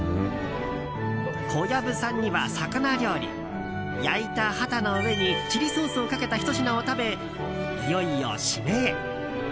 小籔さんには魚料理焼いたハタの上にチリソースをかけたひと品を食べいよいよ締めへ。